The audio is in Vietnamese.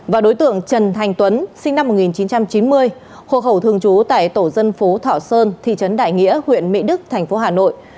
và đối tượng trần thành tuấn sinh năm một nghìn chín trăm chín mươi hộ khẩu thường trú tại tổ dân phố thọ sơn thị trấn đại nghĩa huyện mỹ đức thành phố hà nội